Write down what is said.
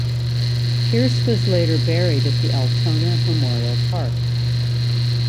Peirce was later buried at the Altona Memorial Park.